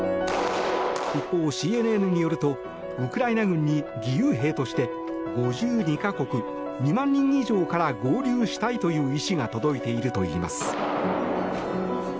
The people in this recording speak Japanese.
一方、ＣＮＮによるとウクライナ軍に義勇兵として５２か国、２万人以上から合流したいという意思が届いているといいます。